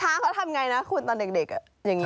ช้างเขาทำอย่างไรนะคุณตอนเด็กอย่างนี้